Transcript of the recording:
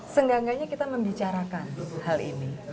seenggak enggaknya kita membicarakan hal ini